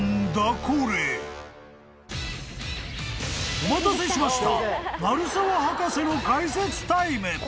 ［お待たせしました！］